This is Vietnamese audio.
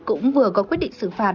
cũng vừa có quyết định xử phạt